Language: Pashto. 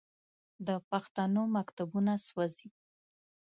د پښتنو مکتبونه سوځوي.